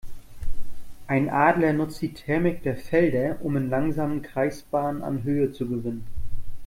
Ein Adler nutzt die Thermik der Felder, um in langsamen Kreisbahnen an Höhe zu gewinnen.